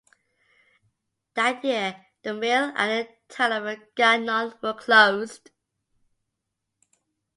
That year the mill and the town of Gagnon were closed.